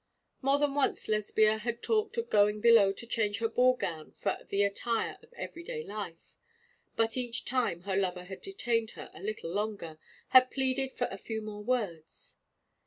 More than once Lesbia had talked of going below to change her ball gown for the attire of everyday life; but each time her lover had detained her a little longer, had pleaded for a few more words.